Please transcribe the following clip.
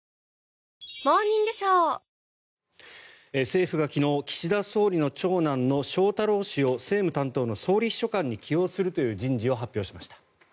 政府が昨日岸田総理の長男の翔太郎氏を政務担当の総理秘書官に起用するという人事を発表しました。